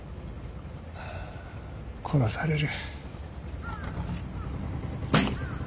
殺される。